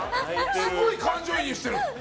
すごい感情移入してる！